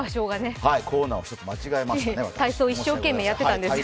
コーナーを間違えましたね、私。